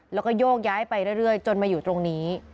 แล้วก็โยกย้ายไปเรื่อยจนมาอยู่ตรงนี้